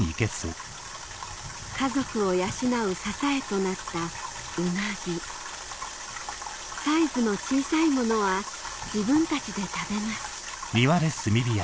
家族を養う支えとなったウナギサイズの小さいものは自分たちで食べます